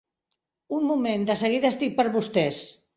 Un moment, de seguida estic per vostès.